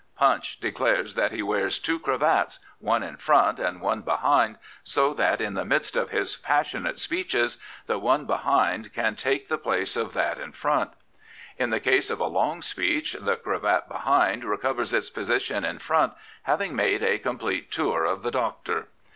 Punch declares that he wears two dravats . one in front and one behind, so that in the midst of his passionate 103 Prophets, Priests, and Kings speeches the one behind can take the place of that in front. In the case of a long speech the cra^t behind recovers its position in front, having made a complete tour of the Doctor.